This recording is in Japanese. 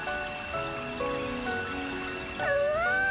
うん！